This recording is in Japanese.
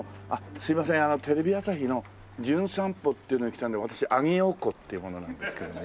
すいませんテレビ朝日の『じゅん散歩』っていうので来た私阿木燿子っていう者なんですけどね。